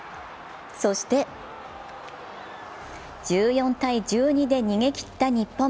そして、１４−１２で逃げきった日本。